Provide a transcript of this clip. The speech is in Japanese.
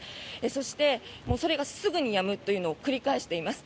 そして、それがすぐにやむというのを繰り返しています。